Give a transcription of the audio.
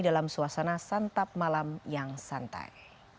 dalam suasana santap malam yang santai